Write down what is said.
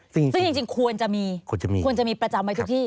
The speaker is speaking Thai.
ซึ่งจริงควรจะมีควรจะมีประจำไว้ทุกที่